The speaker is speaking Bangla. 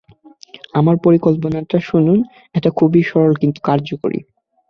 আমার পরিকল্পনাটা শুনুন, এটা খুবই সরল কিন্তু কার্যকরী।